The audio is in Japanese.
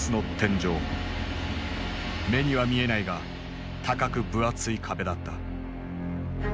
目には見えないが高く分厚い壁だった。